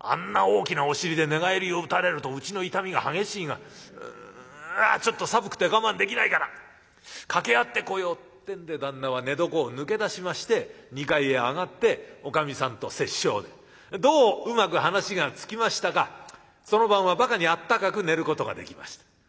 あんな大きなお尻で寝返りを打たれるとうちの傷みが激しいがうんちょっと寒くて我慢できないから掛け合ってこよう」ってんで旦那は寝床を抜け出しまして２階へ上がっておかみさんと折衝でどううまく話がつきましたかその晩はばかにあったかく寝ることができました。